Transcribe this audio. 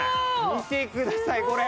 見てくださいこれ。